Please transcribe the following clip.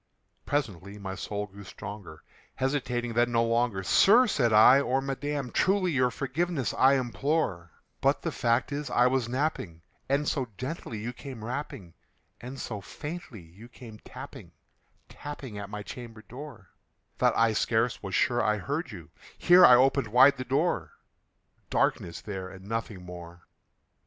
Presently my soul grew stronger; hesitating then no longer, "Sir," said I, "or Madam, truly your forgiveness I implore; But the fact is I was napping, and so gently you came rapping, And so faintly you came tapping tapping at my chamber door, That I scarce was sure I heard you" here I opened wide the door: Darkness there and nothing more.